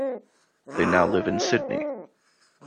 They now live in Sydney.